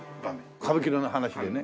歌舞伎の話でね。